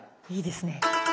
いいですね。